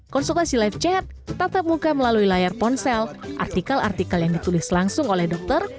konsultasi live chat tatap muka melalui layar ponsel artikel artikel yang ditulis langsung oleh dokter